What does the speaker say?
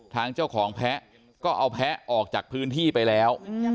ทางเจ้าของแพ้ก็เอาแพ้ออกจากพื้นที่ไปแล้ว